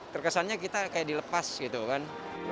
terkesannya kita kayak dilepas gitu kan